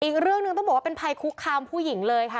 อีกเรื่องหนึ่งต้องบอกว่าเป็นภัยคุกคามผู้หญิงเลยค่ะ